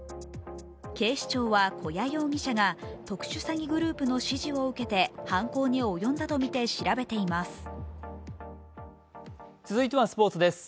警視庁は、古屋容疑者が特殊詐欺グループの指示を受けて犯行に及んだとみて調べています。